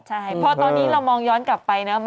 ใช่เพราะตอนนี้เรามองย้อนกลับไปนะ